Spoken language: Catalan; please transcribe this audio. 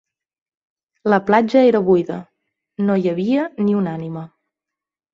La platja era buida: no hi havia ni una ànima.